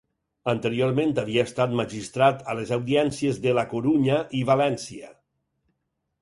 Anteriorment havia estat magistrat a les audiències de La Corunya i València.